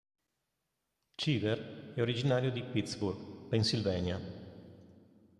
Cheever è originario di Pittsburgh, Pennsylvania.